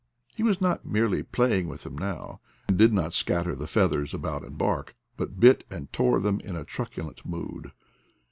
He was not merely playing with them now, and did not scatter the feathers about and bark, but bit and tore them in a truculent mood.